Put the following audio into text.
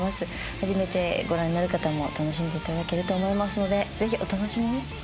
初めてご覧になる方も楽しんでいただけると思いますのでぜひお楽しみに。